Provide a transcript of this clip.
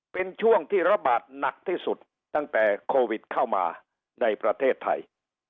เป็นช่วงที่ระบาดหนักที่สุดตั้งแต่โควิดเข้ามาในประเทศไทย